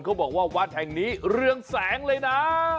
บอกว่าวัดแห่งนี้เรืองแสงเลยนะ